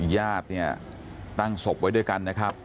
ญาติเนี่ยตั้งศพไว้ด้วยกันนะครับ